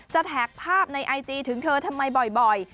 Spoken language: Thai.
แท็กภาพในไอจีถึงเธอทำไมบ่อย